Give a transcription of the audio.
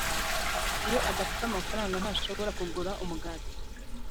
Iyo adafite amafaranga ntashobora kugura umugati